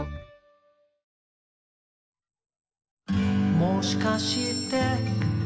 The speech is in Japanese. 「もしかして」